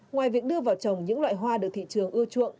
ngoài việc đưa vào trồng những loại hoa được thị trường ưa chuộng